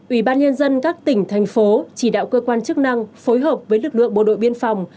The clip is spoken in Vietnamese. một ubnd các tỉnh thành phố chỉ đạo cơ quan chức năng phối hợp với lực lượng bộ đội biên phòng